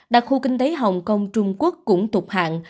đặc khu kinh tế hồng kông trung quốc cũng tục hạn